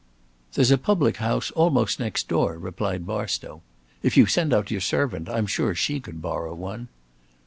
"There's a public house almost next door," replied Barstow. "If you send out your servant, I am sure she could borrow one."